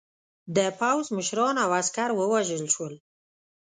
د پوځ مشران او عسکر ووژل شول.